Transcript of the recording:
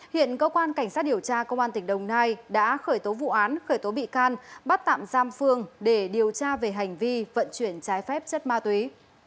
hiện cơ quan cảnh sát điều tra công an tỉnh đồng nai đã khởi tố vụ án khởi tố bị can bắt tạm giam phương để điều tra về hành vi vận chuyển trái phép chất ma túy